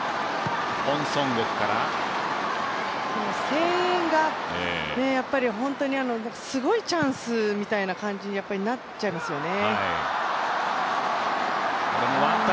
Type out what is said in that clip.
声援がすごいチャンスみたいになっちゃいますよね。